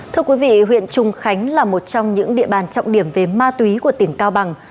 thưa quý vị huyện trùng khánh là một trong những địa bàn trọng điểm về ma túy của tỉnh cao bằng